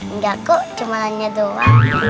enggak kok cuma hanya dua